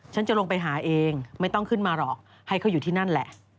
ฉันจะลงไปหาเองไม่ต้องขึ้นมาหรอกให้เขาอยู่ที่นั่นแหละ